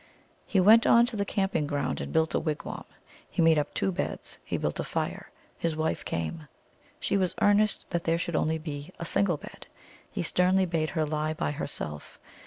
He went on to the camping ground and built a wig wam. He made up two beds ; he built a fire. His wife came. She was earnest that there should be only a single bed. He sternly bade her lie by herself.